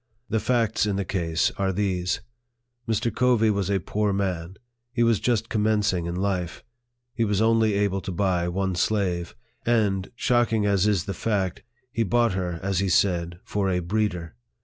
The facts in the case are these : Mr. Covey was a poor man ; he was just commencing in life ; he was only able to buy one slave ; and, shocking as is the fact, he bought her, as he said, for a breeder.